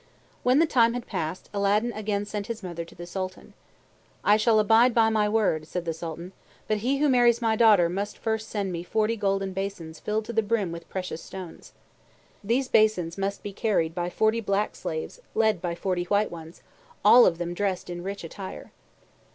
When the time had passed, Aladdin again sent his mother to the Sultan. "I shall abide by my word," said the Sultan, "but he who marries my daughter must first send me forty golden basins filled to the brim with precious stones. "These basins must be carried by forty black slaves led by forty white ones, all of them dressed in rich attire."